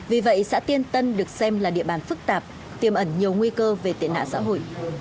vì vậy xã tiên tân được xem là địa bàn phức tạp tiêm ẩn nhiều nguy cơ về tệ nạn xã hội